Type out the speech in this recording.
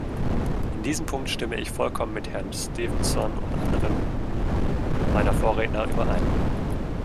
In diesem Punkt stimme ich vollkommen mit Herrn Stevenson und anderen meiner Vorredner überein.